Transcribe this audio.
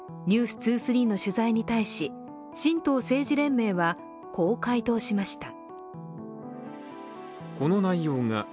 「ｎｅｗｓ２３」の取材に対し神道政治連盟はこう回答しました。